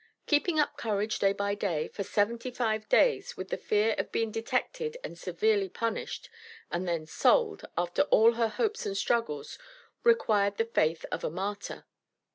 Keeping up courage day by day, for seventy five days, with the fear of being detected and severely punished, and then sold, after all her hopes and struggles, required the faith of a martyr.